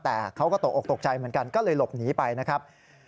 แต่เขาก็ตกออกตกใจเหมือนกันก็เลยหลบหนีไปนะครับ